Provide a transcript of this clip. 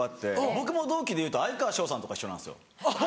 僕も同期でいうと哀川翔さんとか一緒なんですよ。